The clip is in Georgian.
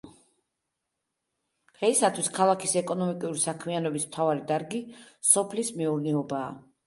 დღეისათვის, ქალაქის ეკონომიკური საქმიანობის მთავარი დარგი სოფლის მეურნეობაა.